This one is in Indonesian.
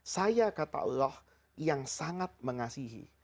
saya kata allah yang sangat mengasihi